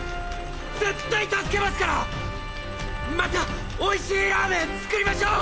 絶対助けますからまた美味しいラーメン作りましょう！！